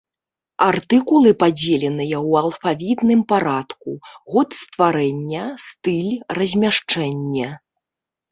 Артыкулы падзеленыя ў алфавітным парадку, год стварэння, стыль, размяшчэнне.